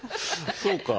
そうか。